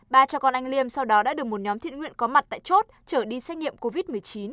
ba cha con anh liêm sau đó đã được một nhóm thiện nguyện có mặt tại chốt chở đi xét nghiệm covid một mươi chín